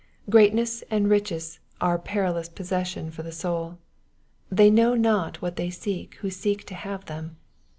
*' Greatness and riches are a perilous possession for the soul. They know not what they seek who seek to have them.